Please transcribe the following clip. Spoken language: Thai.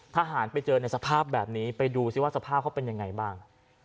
ทหารไปเจอในสภาพแบบนี้ไปดูซิว่าสภาพเขาเป็นยังไงบ้าง